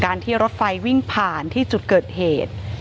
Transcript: ที่รถไฟวิ่งผ่านที่จุดเกิดเหตุ